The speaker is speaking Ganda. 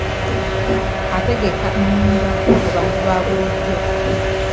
Ategeka nnumba mu bantu babulijjo .